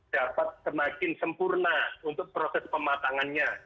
dapat semakin sempurna untuk proses pematangannya